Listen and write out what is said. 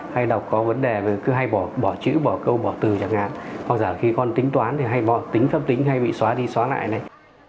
hay là có vấn đề cứ hay bỏ chữ bỏ câu bỏ từ chẳng hạn hoặc giả khi con tính toán thì hay bỏ tính pháp tính hay bị xóa đi xóa lại đấy